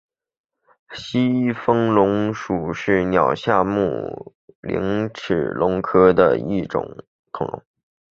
西风龙属是鸟脚下目棱齿龙科的一属恐龙。